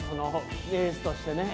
エースとしてね